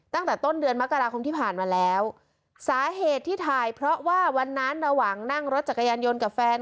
ตั้งแต่ต้นเดือนมกราคมที่ผ่านมาแล้วสาเหตุที่ถ่ายเพราะว่าวันนั้นระหว่างนั่งรถจักรยานยนต์กับแฟน